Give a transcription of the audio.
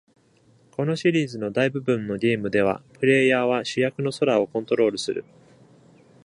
このシリーズの大部分のゲームでは、プレイヤーは主役のソラをコントロールする。